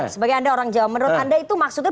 sebagai anda orang jawa menurut anda itu maksudnya